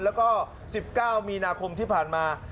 แล้วก็๑๙มีนาคมที่ผ่านมา